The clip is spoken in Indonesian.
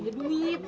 gak punya duit